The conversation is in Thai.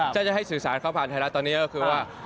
ถ้าจะให้สื่อสารเขาผ่านไทยรัฐตอนนี้ก็คือว่า